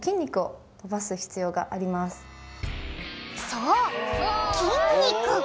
そう筋肉お！